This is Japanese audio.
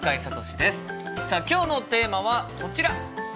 さあ今日のテーマはこちら。